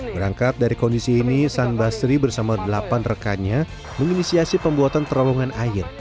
berangkat dari kondisi ini san basri bersama delapan rekannya menginisiasi pembuatan terowongan air